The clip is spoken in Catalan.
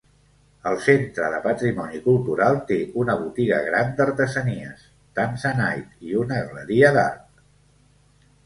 El centre de patrimoni cultural té una botiga gran d'artesanies, Tanzanite, i una galeria d'art.